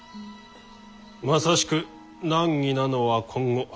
まさしく難儀なのは今後。